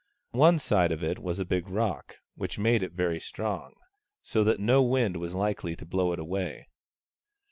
One side of it was a big rock, which made it very strong, so that no wind was likely to blow it away.